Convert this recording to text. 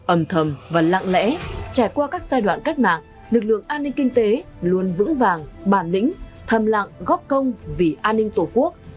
âm thầm và lặng lẽ trải qua các giai đoạn cách mạng lực lượng an ninh kinh tế luôn vững vàng bản lĩnh thầm lặng góp công vì an ninh tổ quốc